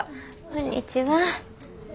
こんにちは。